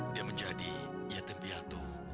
dia menjadi yatim piatu